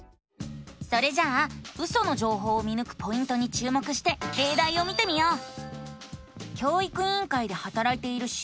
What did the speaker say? それじゃあウソの情報を見ぬくポイントに注目してれいだいを見てみよう！